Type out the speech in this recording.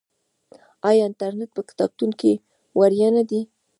آیا انټرنیټ په کتابتون کې وړیا نه دی؟